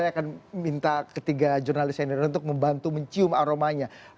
saya akan minta ketiga jurnalis senior untuk membantu mencium aromanya